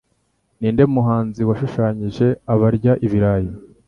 Ninde muhanzi washushanyije abarya ibirayi?